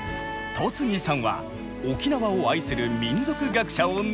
戸次さんは沖縄を愛する民俗学者を熱演。